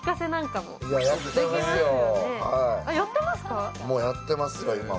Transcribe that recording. もうやってますよ、今も。